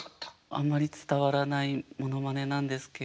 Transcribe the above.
あんまり伝わらないモノマネなんですけれども。